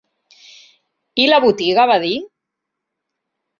I la botiga?—va dir.